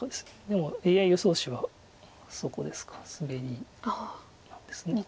でもＡＩ予想手はそこですかスベリなんです。